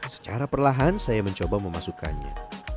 secara perlahan saya mencoba memasukkannya